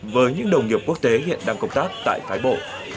với những đồng nghiệp quốc tế hiện đang công tác tại phái bộ